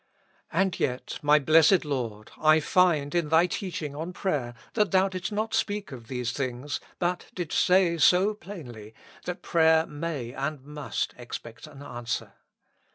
And yet, my blessed Lord, I find in Thy teaching on prayer that Thou didst not speak of these things, but didst say so plainly, that prayer may and must expect an answer.